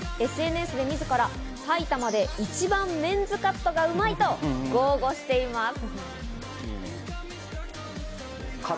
ＳＮＳで自ら、埼玉で一番メンズカットがうまいと豪語しています。